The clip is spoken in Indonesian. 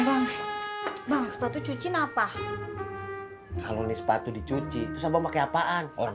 bang bang sepatu cuci napa kalau nih sepatu dicuci sama pakai apaan orang